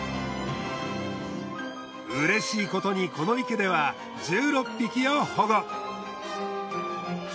うれしいことにこの池では１６匹を保護。